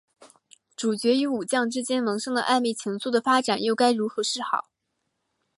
主角与武将之间萌生的暧昧情愫的发展又该如何是好？